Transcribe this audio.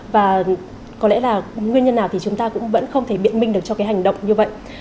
và có lẽ là nguyên nhân nào thì chúng ta cũng vẫn không thể biện minh được cho cái hành động như vậy